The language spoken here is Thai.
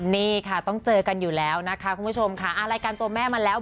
นี่ค่ะต้องเจอกันอยู่แล้วนะคะคุณผู้ชมค่ะรายการตัวแม่มาแล้ว